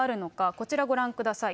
こちらご覧ください。